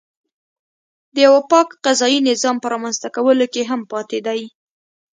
د یوه پاک قضایي نظام په رامنځته کولو کې هم پاتې دی.